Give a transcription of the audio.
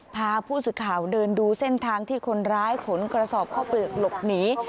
พาผู้สื่อข่าวเดินดูเส้นทางที่คนร้ายขนกระสอบข้าวเปลือกหลบหนี